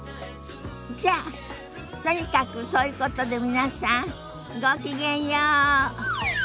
じゃあとにかくそういうことで皆さんごきげんよう。